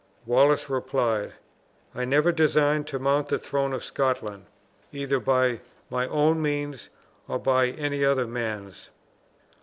Wallace replied, "I never designed to mount the throne of Scotland, either by my own means or by any other man's."